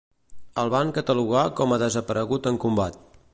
El van catalogar com a desaparegut en combat.